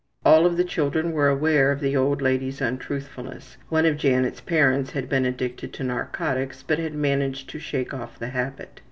All of the children were aware of the old lady's untruthfulness. One of Janet's parents had been addicted to narcotics, but had managed to shake off the habit.